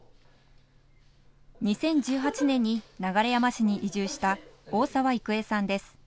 ２０１８年に流山市に移住した大澤郁恵さんです。